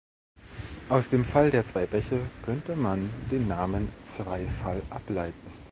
Aus dem Fall der zwei Bäche könnte man den Namen Zweifall ableiten.